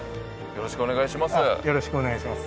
よろしくお願いします。